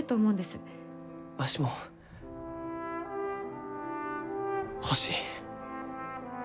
わしも欲しい。